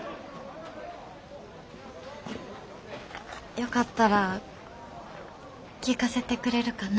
よかったら聞かせてくれるかなあ